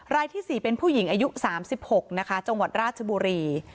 รายที่๔เป็นผู้หญิงอายุ๓๖นะคะจังหวัดราชบุรี